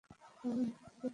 তোমার মা আমাদের সাথে আছে।